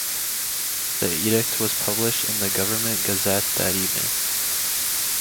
The edict was published in the Government Gazette that evening.